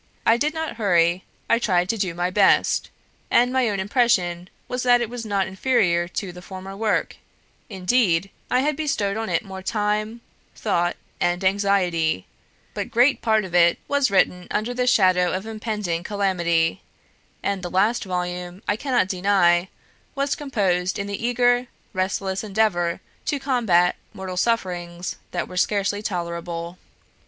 I did not hurry; I tried to do my best, and my own impression was that it was not inferior to the former work; indeed, I had bestowed on it more time, thought, and anxiety: but great part of it was written under the shadow of impending calamity; and the last volume, I cannot deny, was composed in the eager, restless endeavour to combat mental sufferings that were scarcely tolerable.